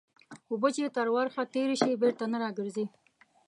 اوبه چې تر ورخ تېري سي بېرته نه راګرځي.